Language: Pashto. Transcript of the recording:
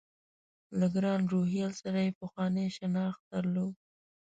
له ګران روهیال سره یې پخوانی شناخت درلود.